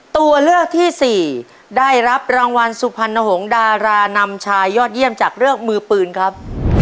ตัวเลือกที่สี่ได้รับรางวัลสุพรรณหงษ์ดารานำชายยอดเยี่ยมจากเลือกมือปืนครับ